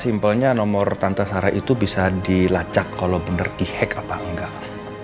simpelnya nomor tante sarah itu bisa dilacak kalau bener di hack apa enggak